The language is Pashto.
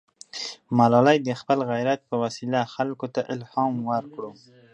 ملالۍ د خپل غیرت په وسیله خلکو ته الهام ورکړ.